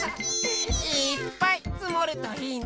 いっぱいつもるといいね。